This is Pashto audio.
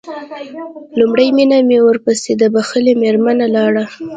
لومړی مينه ورپسې دا بښلې مېرمنه لاړه.